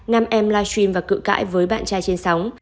nam em live stream và cự cãi với bạn trai trên sóng